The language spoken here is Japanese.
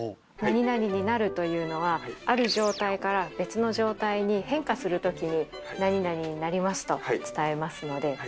「何々になる」というのはある状態から別の状態に変化する時に「何々になります」と伝えますので。